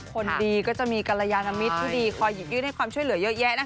คนดีก็จะมีกรยานมิตรที่ดีคอยหยิบยื่นให้ความช่วยเหลือเยอะแยะนะคะ